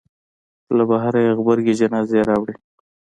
له بهره یې غبرګې جنازې راوړې.